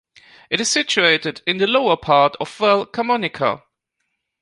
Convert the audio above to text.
It is situated in the lower part of Val Camonica.